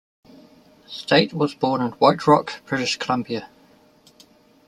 Staite was born in White Rock, British Columbia.